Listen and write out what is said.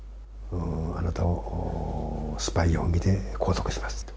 あなたをスパイ容疑で拘束しますと。